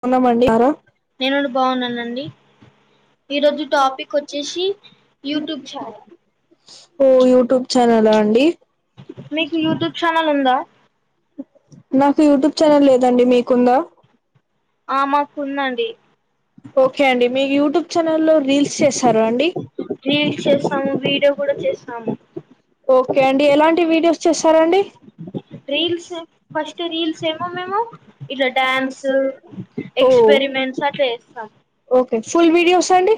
బాగున్నామండి మీరు ఎలా ఉన్నారు ఈ రోజు టాపిక్ వచ్చేసి యూట్యూబ్ ఛానల్ ఓ యుట్యూబ్ చనల మీకు యూట్యూబ్ ఛానల్ ఉందా నాకు యూట్యూబ్ ఛానల్ లేదండి మీకుందా ఆ మా కుందండి ఓకే అండి మీ యూట్యూబ్ ఛానల్ల్లో రీల్స్ చేస్తార అండి రీల్స్ చేస్తాము వీడియో కూడా చేస్తాము ఓకే అండి ఎలాంటి వీడియోస్ చేస్తారండి రీల్స్ ఫస్ట్ రీల్స్ ఏమో మేమో ఇలా డన్స్ ఓ ఎక్స్పెరిమెంట్స్ అట్లా చేస్తాం ఓకే ఫుల్ వీడియోస్ అండి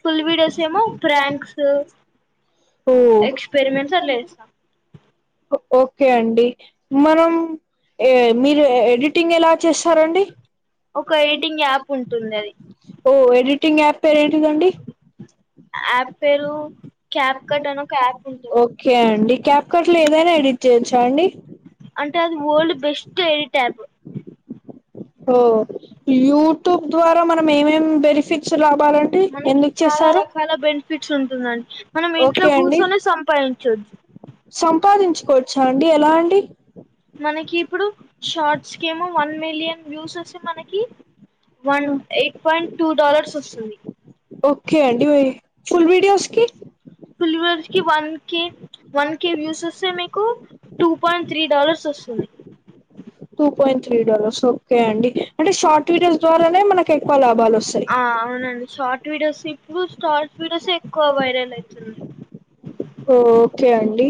ఫుల్ వీదియోస్ ఏమో ప్రంక్స్ ఓ ఎక్స్పెరిమెంట్స్ అట్ల చేస్తా ఓకే అండి మనం ఏ మీరు ఎడిటింగ్ ఎలా చేస్తారండి ఒక ఎడిటింగ్ యాప్ ఉంటుంది అది ఓ ఎడిటింగ్ యాప్ పేరు ఏంటిదండి యాప్ పేరు క్యాప్ కడ్ అని ఒక యాప్ ఉంటుంది ఓకే అండి క్యాప్ కట్ లో ఏదైనా ఎడిట్ చేయేచ్చా అండి అంటే అది వరల్డ్ బెస్ట్ ఎడిటాప్ ఓ యూట్యూబ్ ద్వారా మనం ఏమేం బెనిఫిట్స్ రబ్ చెప్పాలంటే మనకి చాలా ఎన్నిచ్చేస్తారు రకాల బెనిఫిట్స్ ఉంటుందండి మనం ఇంట్లో ఓకే అండి కూర్చొని సంపాదించొచ్చు సంపాదించుకోవచ్చా అండి ఎలా అండి మనకి ఇప్పుడు షార్ట్స్ కేమో వన్ మిలియన్ వ్యూస్ వస్తే మనకి one um eight point two dollars వస్తుంది ఓకే అండి ఫుల్ విడియోస్కి ఫుల్ కి one K one K views వస్తే మీకు టూ పాయింట్ త్రీ డాలర్స్ ఒస్ స్తయ్ two point three dollars okay అండి అంటే షార్ట్ వీడియోస్ ద్వారనే మన ఎక్కు లాబ్ ఆ అవునండి షార్ట్ వీడియోస్ ఇప్పుడు స్టార్స్ వీడియోస్ ఏ క్కువ వైరల్ అయితున్నా ఓకే అండి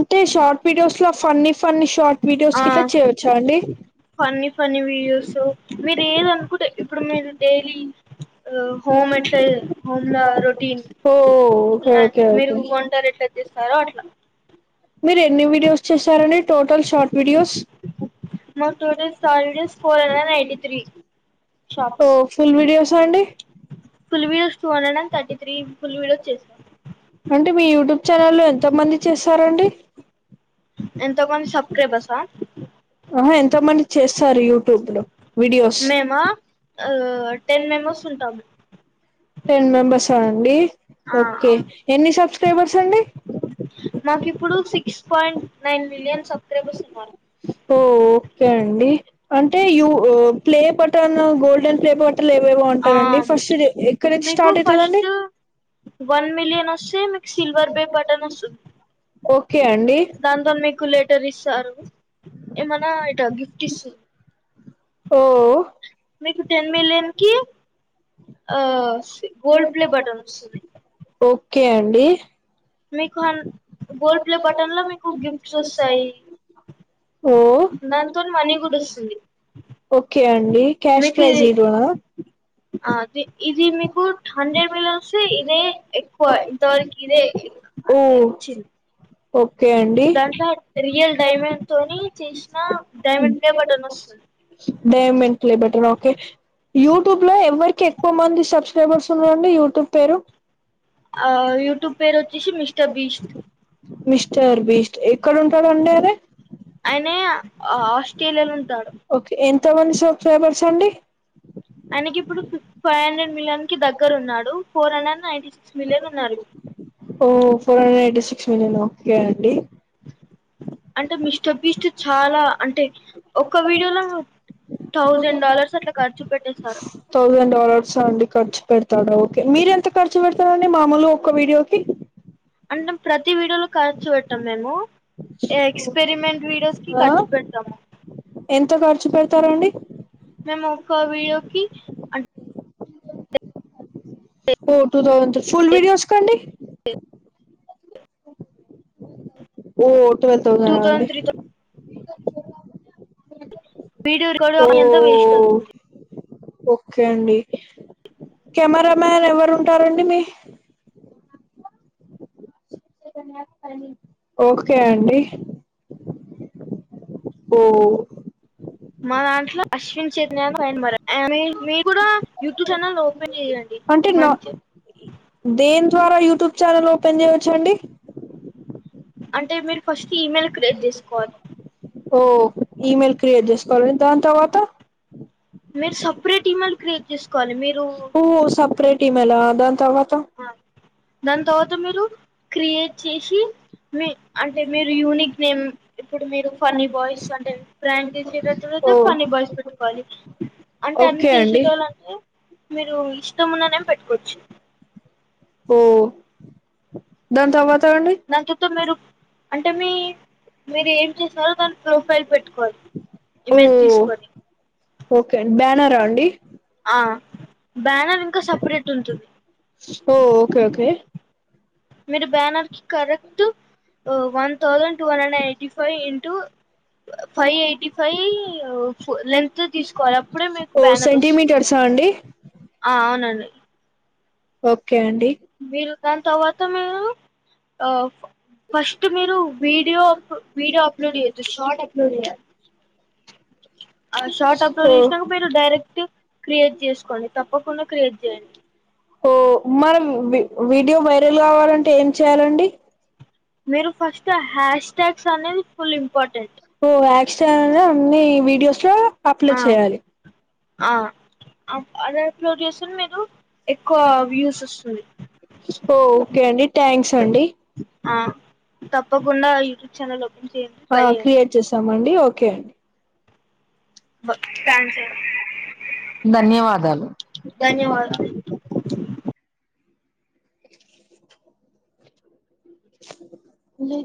అంటే షార్ట్ వీడియోస్ లో ఫన్నీ ఫన్నీ షార్ట్ వీడియోస్ ఆ కిట్ల చేయొచ్చా అండి ఫన్నీ ఫన్నీ వీడియోస్ మీరు ఏదనుకుంటే ఇప్పుడు మీరు డైలీ హోమ్ ఎట్ల హోమ్ ల రొటీన్ ఓ ఓకే ఓకే మీరు ఓకే వంటారు ఎట్ల చెస్ స్తారో అట్లా మీరు ఎన్ని వీడియోస్ చేసారండి టోటల్ షార్ట్ వీడియోస్ మాకు టోటల్ స్టార్ videos four hundred and eighty three ఓ shorts full videos సండి full videos two hundred and thirty three full videos చేసిన అంటే మీ యూట్యూబ్ ఛానల్ల్లో ఎంత మంది చేస్తారండి ఎంత మంది సబ్స్క్రైబర్సా ఆహా ఎంత మంది చేస్తారు యూట్యూబ్ లో వీడియోస్ మేము మ్ టెన్ మెంబర్స్ ఉంటాము టెన్ మెంబెర్సా అండి ఆ ఓకే అవును ఎన్ని సబ్స్క్రైబర్స్ అండి మాకు ఇప్పుడు six point nine million subscribers ఉన్నారు ఓ ఓకే అండి అంటే you play button golden play బ టలు ఏవేవో ఆ అంటరండి ఫస్ట్ ఎక్కడ నుంచి మీకు స్టార్ట్ అయితదండి ఫస్ట్ వన్ మిలియన్ వస్తె మీకు సిల్వర్ ప్లే బటన్ వస్తుం ఓకే అండి దాంతోన్ మీకు లెటర్ ఇస్తారు ఏమైనా ఇట గిఫ్ట్ ఇస్త ఓ మీకు టెన్ మిలియన్ కి ఆ సి గోల్డ్ ప్లే బటన్ వస్తున్నయ్ ఓకే అండి మీకు హన్ గోల్డ్ ప్లే బటన్ లో మీకు గిఫ్ట్స్ వస్తాయి ఓ దాంతోని మనీ గుడొస్తుంది ఓకే అండి క్యాష్ ప్రైస్ ఇరునా ఆది ఇది మీకు హండ్రెడ్ మిలన్ వస్తే ఇదే ఎక్కువ ఇంతవరకు ఇదే ఓ అంతే వచ్చింది ఓకే అండి దాంట్లో రియల్ డైమండ్ తోని చేసిన డైమండ్ ప్లే బటన్ వస్తుంది డైమెంట్లే బెటర్ ఓకే యూట్యూబ్ లో ఎవరికి ఎక్కువ మంది సబ్స్క్రైబర్స్ ఉన్నాండి యూట్యూబ్ పేరు ఆ యూట్యూబ్ పేరు వచ్చేసి మిస్టర్ బీస్ట్ మిస్టర్ బిస్ట్ ఎక్కడుంటాడండి ఆయన అయనే ఆ ఆస్ట్రేలియాలో ఉంటా ఓకే ఎంత మంది షబ్స్క్రైబర్స్ అండి తనకి ఇప్పుడు ఫి ఫైవ్ హండ్రెడ్ మిలియన్ కి దగ్గర ఉన్నాడు four hundred ninety six million ఉన్నారు ఇప్ ఓ four hundred eighty six million okay అండి అంటే మిస్టర్ బీస్ట్ చాలా అంటే ఒక్క వీడియోలో థౌజండ్ డాలర్స్ అట్లా ఖర్చు పెట్టేసారు థౌజండ్ డాలర్స్ అండి ఖర్చు పెడతాడు మీరెంత ఖర్చు పెడతారండి మామూలుగా ఒక్క వీడియోకి అంటే ప్రతి వీడియోలో ఖర్చుూ పెట్టం మేము ఎక్స్పెరిమెంట్ వీడియోస్ కి ఆ ఖర్చు పెడతాము ఎంత ఖర్చు పెడతారండి మేము ఒక వీడియో కి అన్ ఓ టూ థౌసండ్ ఫుల్ వీడియోస్ కండి చె ఓ టువల్ టూ తౌజనా అండి thousand three thousand video record ఓ కాని అంతా వేస్ట్ అవుతుంది ఓకే అండి కెమెరా మ్యాన్ ఎవరు ఉంటారండి మీ ఓకే అండి ఓ మా దాంట్లో అశ్విన్ చైతన్యా ఒక ఆయన మరి ఆని మీ కూడా యూట్యూబ్ ఛానల్ ఓపెన్ చేయండి అంటే నా మంచి దేని ద్వారా యూట్యూబ్ ఛానల్ పెన్ చెయ్యచ్చండి అంటే మీరు ఫస్ట్ ఈమెయిల్ క్రియేట్ చేసుకోవాలి ఓ ఇమెయిల్ క్రియేట్ చేసుకోవాలండి దాని తర్వాత మీరు సపరేట్ ఇమెయిల్ క్రియేట్ చెస్ ఓ సప్రేట్ ఇమెయిలా దాని తర్వ దాని తర్వాత మీరు క్రియేట్ చేసి మీ అంటే మీరు యూనిక్ నేమ్ ఇప్పుడు మీరు ఫన్నీ బాయ్స్ అంటే ఫ్రాంక్ చేసేటట్టు ఓ లేదు ఫన్నీ బా బాయ్స్ పెట్టుకోవాలి. అంటే అన్ని ఓకే అండి చేసేటోళ్ అంటే మీరు ఇష్టమున్న నేమ్ పెట్టుకోవచ్చు. ఓ దాన్ తర్వా దాన్ తర్వాత మీరు అంటే మీ మీరేం చేసారో దాన్ ప్రొఫైల్ పెట్టుకోవాల్ ఓ ఇమేజ్ తీస్కొని ఓకే అం బ్యానరా అండి ఆ బ్యానర్ ఇంకా సపరేట్ ఉంటుంది. ఓ ఓకే ఓకే ఓ one thousand two hundred and eighty five into five eighty five length తీస్కోవాలె అప్పుడే మీకు ఓ బ్యానర్ వస్తుం సెంటీమీటర్సా అండి ఆ అవునండి. ఓకే అండి మీరు దాన్ తర్వాత మీరు ఆ ఫస్ట్ మీరు వీడియో అప్ వీడియో అప్లోడ్ చేయద్దు షార్ట్ అప్లోడ్ చేయా [inaudible] హో మీరు డైరెక్ట్ క్రియేట్ చేసుకోండి తప్పకుండా క్రియేట్ చేయండి హో మన వి వీడియో వైరల్ కావాలంటే ఏం చేయాలండి. మీరు ఫస్ట్ హ్యాష్ టాగ్స్ అనేవి ఫుల్ ఇంపార్టెంట్ ఎక్స్ట్రా అన్ని ఉన్నయ్ వీడియోస్లో ఆ అప్లోడ్ చేయాలి. ఆ అ అద్ అప్లోడ్ చేస్కోన్ మీరు ఎక్కువ వ్యూస్ వస్తన్నయి ఓ ఓకే అండి థ్యాంక్స్ అండి. ఆ తప్పకుండా యూట్యూబ్ ఛానల్ ఓపెన్ చేయండి ఆ ట్రై చేయండి. క్రియేట్ చేసామండి ఓకే అండి ధన్య ధన్యవాదాలు ఓకే లె